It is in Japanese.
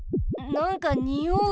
なんかにおう。